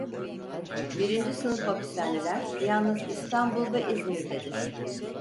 Birinci sınıf hapishaneler yalnız İstanbul ve İzmir'dedir.